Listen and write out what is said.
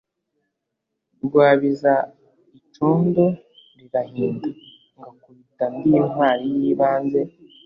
Rwabiza icondo lirahinda, ngakubita ndi intwali y’ibanze.